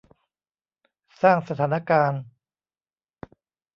สร้างสถานการณ์